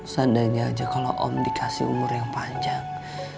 sandanya aja kalo om dikasih umur yang panjang